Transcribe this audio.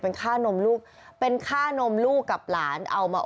เป็นค่านมลูกเป็นค่านมลูกกับหลานเอามา